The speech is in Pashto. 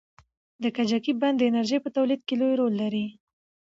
د کجکي بند د انرژۍ په تولید کې لوی رول لري.